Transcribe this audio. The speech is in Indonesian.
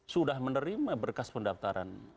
sudah menerima berkas pendaftaran